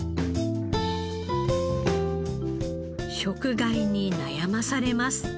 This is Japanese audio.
食害に悩まされます。